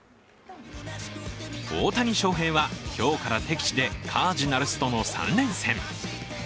大谷翔平は今日から敵地でカージナルスとの３連戦。